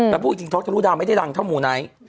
แล้วพูดจริงทครภฤษภาพไม่ได้ดังเท่ามูนัย